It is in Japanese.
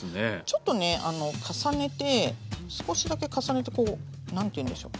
ちょっとね重ねて少しだけ重ねてこう何ていうんでしょ？